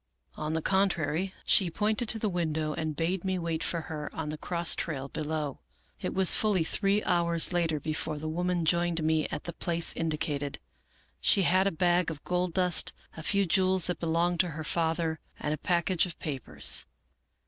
On the contrary, she pointed to the window, and bade me wait for her on the cross trail below. " It was fully three hours later before the woman joined me at the place indicated. She had a bag of gold dust, a few jewels that belonged to her father, and a package of papers.